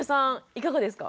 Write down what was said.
いかがですか？